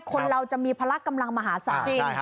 คนเราจะมีพลักษณ์กำลังมหาศาสตร์